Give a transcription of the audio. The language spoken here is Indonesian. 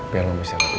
biar mama istirahat dulu